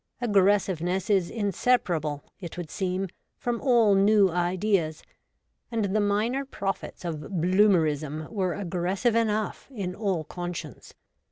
Aggressiveness is in separable, it would seem, from all new ideas, and the minor prophets of Bloomerism were aggressive enough, in all conscience.